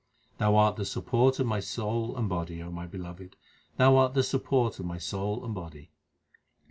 Thou art the support of my soul and body, O my Beloved ; Thou art the support of my soul and body.